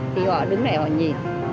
thì họ đứng lại họ nhìn